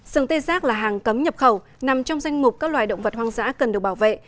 sừng tê giác là hàng cấm nhập khẩu nằm trong danh mục các loài động vật hoang dã cần được bảo vệ